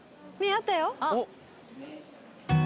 あっ！